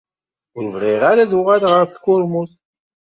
Ur bɣiɣ ara ad uɣaleɣ ɣer tkurmut.